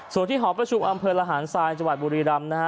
ส่วนที่หอประชุมอำเภอระหารทรายจังหวัดบุรีรำนะฮะ